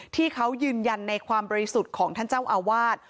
ที่เขายืนยันในความบริสุทธิ์ของท่านเจ้าอาวาส